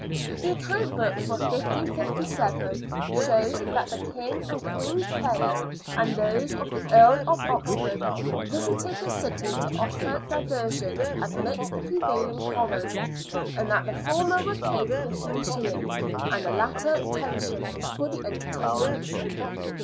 The account book for 1557 shows that the King and Queen's players and those of the Earl of Oxford visited the city to offer diversions amidst the prevailing horrors, and that the former were paid 15s. and the latter los. for the entertainments.